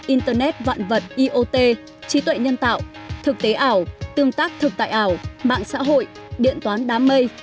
internet vạn vật iot trí tuệ nhân tạo thực tế ảo tương tác thực tại ảo mạng xã hội điện toán đám mây